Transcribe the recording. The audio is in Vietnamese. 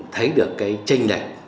thấy được cái tranh đạch